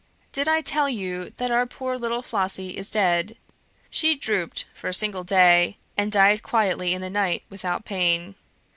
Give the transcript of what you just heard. "Did I tell you that our poor little Flossy is dead? She drooped for a single day, and died quietly in the night without pain.